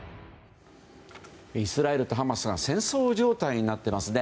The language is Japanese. イスラエルとハマスが戦争状態になっていますね。